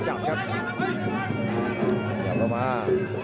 ส่วนหน้านั้นอยู่ที่เลด้านะครับ